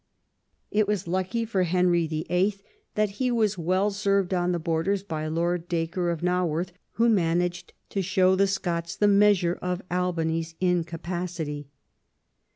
• It was lucky for Henry VIII. that he was well served on the Borders by Lord Dacre of Naworth, who managed to show the Scots the measure of Albany's incapacity.